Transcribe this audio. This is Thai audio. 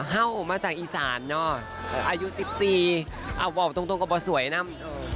ห้าวมาจากอีสานเนาะอายุ๑๔บอกตรงก็บอกสวยนะ